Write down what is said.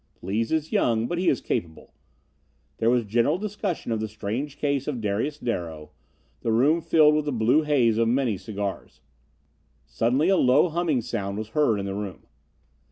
"Lees is young, but he is capable." There was general discussion of the strange case of Darius Darrow; the room filled with the blue haze of many cigars. Suddenly a low, humming sound was heard in the room.